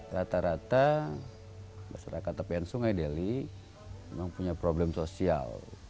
rata rata masyarakat tepian sungai deli memang punya problem sosial